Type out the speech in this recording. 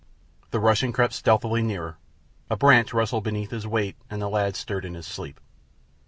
The Russian crept stealthily nearer. A branch rustled beneath his weight and the lad stirred in his sleep.